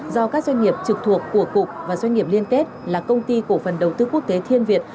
do các doanh nghiệp trực thuộc của cục và doanh nghiệp liên kết là công ty cổ phần đầu tư quốc tế thiên việt